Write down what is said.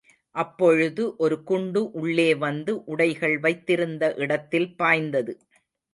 அப்பொழுது ஒரு குண்டு உள்ளே வந்து உடைகள் வைத்திருந்த இடத்தில் பாய்ந்தது.